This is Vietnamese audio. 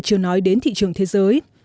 chưa nói đến thị trường thế giới